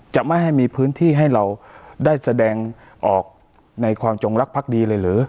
จะไม่ให้มีพื้นที่ให้เราได้แสดงออกในความจงรักภักดีเลยเหรอ